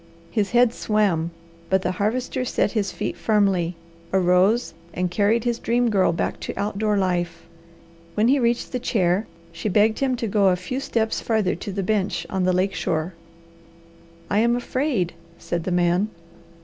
His head swam, but the Harvester set his feet firmly, arose, and carried his Dream Girl back to outdoor life. When he reached the chair, she begged him to go a few steps farther to the bench on the lake shore. "I am afraid," said the man.